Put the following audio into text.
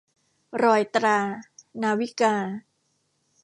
รอยตรา - นาวิกา